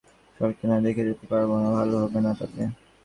সরলাকে না দেখে যেতে পারব না, ভালো হবে না তাতে।